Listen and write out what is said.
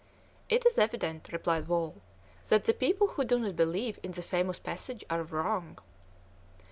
"It is evident," replied Wall, "that the people who do not believe in the famous passage are wrong."